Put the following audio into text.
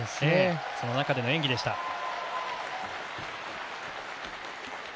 その中での演技でした。